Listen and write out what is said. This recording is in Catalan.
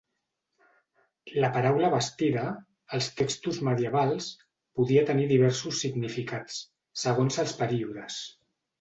La paraula bastida, als textos medievals, podia tenir diversos significats, segons els períodes.